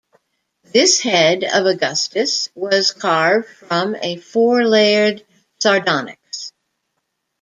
This head of Augustus was carved from a four-layered sardonyx.